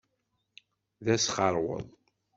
D asxeṛweḍ.